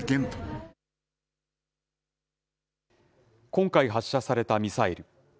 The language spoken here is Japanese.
今回発射されたミサイル。